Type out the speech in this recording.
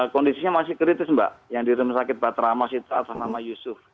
kondisinya masih kritis mbak yang di rumah sakit batramas itu atas nama yusuf